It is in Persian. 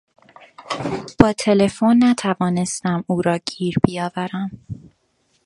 با تلفن نتوانستم او را گیر بیاورم.